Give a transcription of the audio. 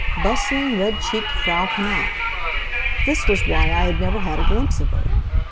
Bustling, red cheeked Frau Knapf! This was why I had never had a glimpse of her.